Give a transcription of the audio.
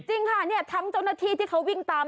จริงค่ะเนี่ยทั้งเจ้าหน้าที่ที่เขาวิ่งตาม